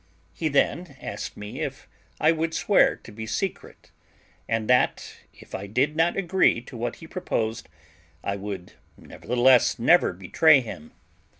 He then asked me if I would swear to be secret, and that, if I did not agree to what he proposed, I would nevertheless never betray him.